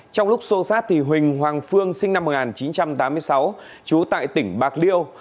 trong lúc xô xát huỳnh hoàng phương sinh năm một nghìn chín trăm tám mươi sáu trú tại tỉnh bạc liêu